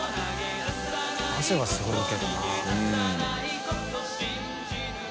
世すごいけどな。